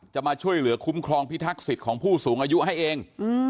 จะมาช่วยเหลือคุ้มครองพิทักษิตของผู้สูงอายุให้เอง